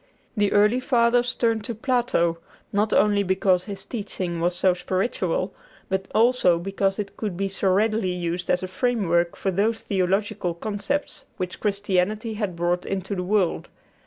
The early Fathers turned to Plato, not only because his teaching was so spiritual, but also because it could be so readily used as a framework for those theological concepts which Christianity had brought into the world.